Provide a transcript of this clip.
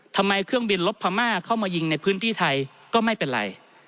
ทำไมเครื่องบินลบพม่าเข้ามายิงในพื้นที่ไทยก็ไม่เป็นไร